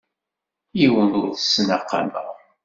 Yiwen ur t-ttnaqameɣ.